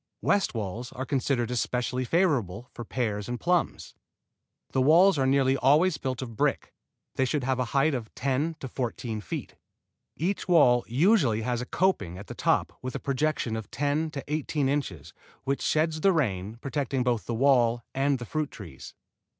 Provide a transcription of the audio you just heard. West walls are considered especially favorable for pears and plums. The walls are nearly always built of brick. They should have a height of ten to fourteen feet. Each wall usually has a coping at the top with a projection of ten to eighteen inches, which sheds the rain, protecting both the wall and the fruit trees.